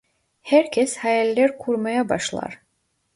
Herkes hayaller kurmaya başlar.